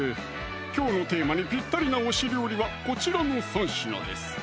きょうのテーマにぴったりな推し料理はこちらの３品です